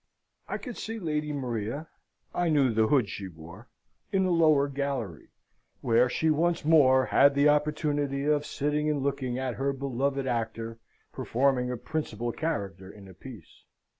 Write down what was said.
I could see Lady Maria (I knew the hood she wore) in the lower gallery, where she once more had the opportunity of sitting and looking at her beloved actor performing a principal character in a piece.